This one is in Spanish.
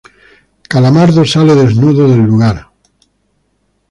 Calamardo sale desnudo del lugar.